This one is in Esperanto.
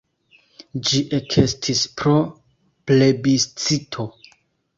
Ĝi ekestis pro plebiscito.